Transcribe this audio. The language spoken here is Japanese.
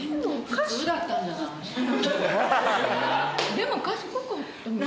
でも賢かった。